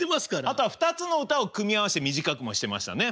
あとは２つの歌を組み合わせて短くもしてましたね。